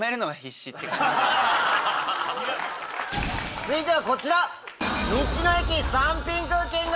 続いてはこちら！